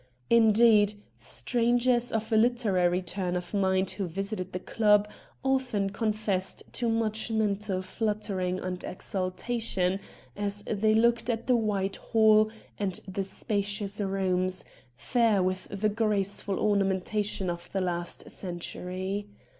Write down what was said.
Indeed, strangers of a literary turn of mind who visited the club often confessed to much mental fluttering and exultation as they looked at the wide hall and the spacious rooms, fair with the graceful ornamentation of the last century.